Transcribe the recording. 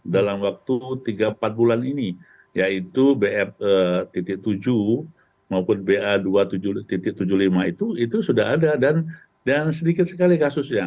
dalam waktu tiga empat bulan ini yaitu bf tujuh maupun ba dua tujuh puluh lima itu sudah ada dan sedikit sekali kasusnya